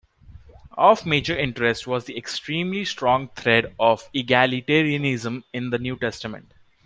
Of major interest was the extremely strong thread of egalitarianism in the New Testament.